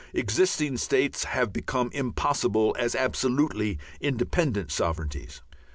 Existing states have become impossible as absolutely independent sovereignties.